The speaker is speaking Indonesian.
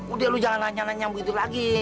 udah lo jangan nanya nanya begitu lagi